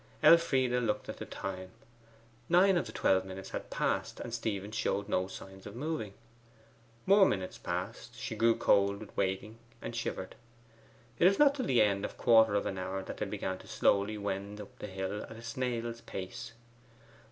Elfride looked at the time; nine of the twelve minutes had passed, and Stephen showed no signs of moving. More minutes passed she grew cold with waiting, and shivered. It was not till the end of a quarter of an hour that they began to slowly wend up the hill at a snail's pace.